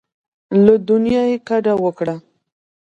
له دنیا کډه وکړه.